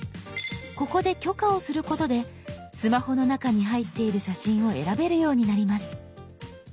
ここで許可をすることでスマホの中に入っている写真を選べるようになります。